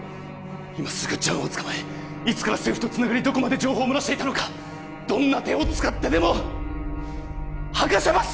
今すぐジャンを捕まえいつから政府とつながりどこまで情報をもらしていたのかどんな手を使ってでも吐かせます！